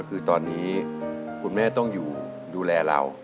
คือตอนนี้คุณแม่ต้องอยู่ดูแลเรา